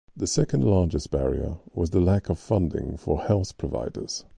The second largest barrier was the lack of funding for health providers.